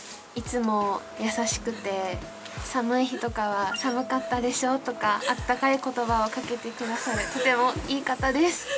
いつも優しくて寒い日とかは「寒かったでしょ」とかあったかい言葉をかけてくださるとてもいい方です。